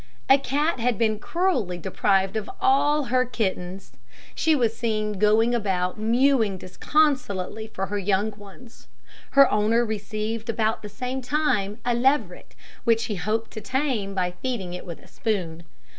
A cat had been cruelly deprived of all her kittens. She was seen going about mewing disconsolately for her young ones. Her owner received about the same time a leveret, which he hoped to tame by feeding it with a spoon.